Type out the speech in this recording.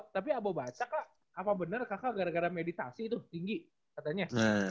tapi abu baca kak apa benar kakak gara gara meditasi itu tinggi katanya